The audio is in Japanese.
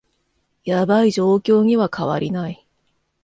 ヤバい状況には変わりない